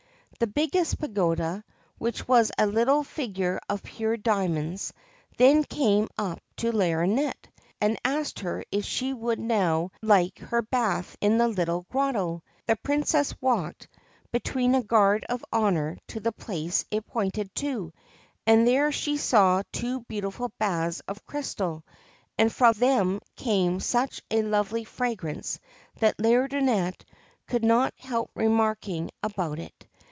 The biggest pagoda, which was a little figure of pure diamonds, then came up to Laideronnette and asked her if she would now like her bath in the little grotto. The Princess walked, between a guard of honour, to the place it pointed to, and there she saw two beautiful baths of crystal, and from them came such a lovely fragrance that Laideronnette could not help remarking about it.